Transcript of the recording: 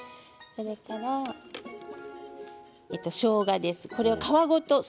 それからしょうがです。